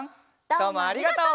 どうもありがとう！